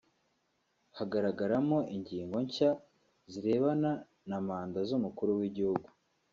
Hagaragaramo ingingo nshya zirebana na manda z’umukuru w’igihugu